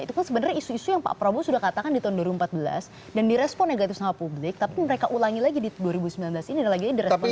itu kan sebenarnya isu isu yang pak prabowo sudah katakan di tahun dua ribu empat belas dan direspon negatif sama publik tapi mereka ulangi lagi di dua ribu sembilan belas ini lagi lagi direspon